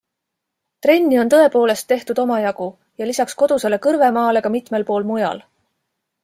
Trenni on tõepoolest tehtud omajagu ja lisaks kodusele Kõrvemaale ka mitmel pool mujal.